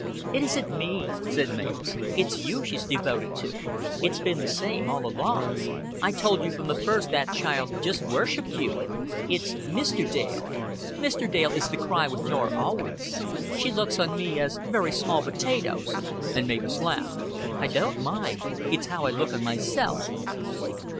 "It isn't me," said Mavis. "It's you she's devoted to. It's been the same all along. I told you from the first that child just worshiped you. It's Mr. Dale. Mr. Dale is the cry with Norah always. She looks on me as very small potatoes," and Mavis laughed. "I don't mind. It's how I look on myself."